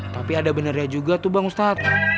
tapi ada benarnya juga tuh bang ustadz